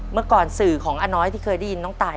เมื่อก่อนสื่อของอาน้อยที่เคยได้ยินน้องตาย